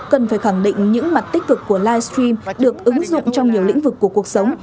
cần phải khẳng định những mặt tích cực của livestream được ứng dụng trong nhiều lĩnh vực của cuộc sống